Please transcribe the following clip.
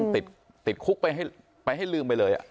ติดคุกไปให้ลืมไปเลย